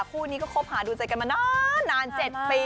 คู่นี้ก็คบหาดูใจกันมานาน๗ปี